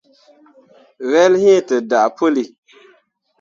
Wel iŋ te daa puli.